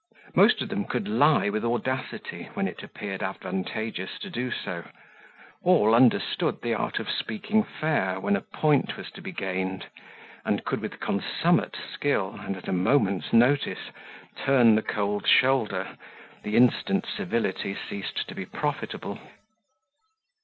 Most of them could lie with audacity when it appeared advantageous to do so. All understood the art of speaking fair when a point was to be gained, and could with consummate skill and at a moment's notice turn the cold shoulder the instant civility ceased to be profitable.